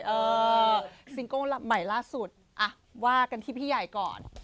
เออซิงเกิ้ลใหม่ล่าสุดอ่ะว่ากันที่พี่ใหญ่ก่อน